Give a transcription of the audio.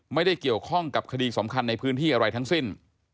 ไม่ได้เกี่ยวข้องกับคดีสำคัญในพื้นที่อะไรทั้งสิ้น